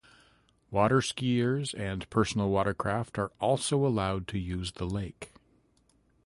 Water skiers and personal watercraft are also allowed to use the lake.